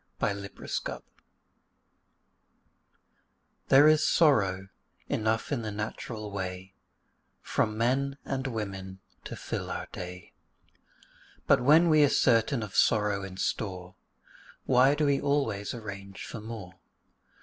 THE POWER OF THE DOG There is sorrow enough in the natural way From men and women to fill our day; But when we are certain of sorrow in store, Why do we always arrange for more?